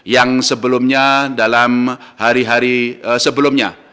yang sebelumnya dalam hari hari sebelumnya